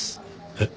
えっ？